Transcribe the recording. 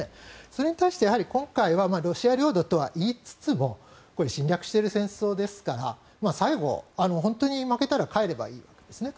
それに対して今回はロシア領土とは言いつつも侵略している戦争ですから最後、本当に負けたら帰ればいいわけですね。